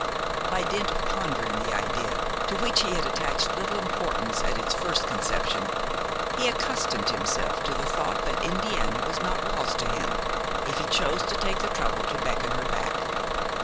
By dint of pondering the idea to which he had attached little importance at its first conception, he accustomed himself to the thought that Indiana was not lost to him, if he chose to take the trouble to beckon her back.